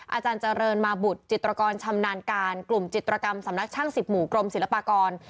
อาจารย์เจริญมาบุตรจิตรกรชำนาญการกลุ่มจิตรกรรมสำนักช่าง๑๐หมู่กรมศิลปากร